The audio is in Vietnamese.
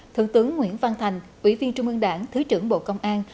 thượng tướng nguyễn văn thành ủy viên trung ương đảng thứ trưởng bộ công an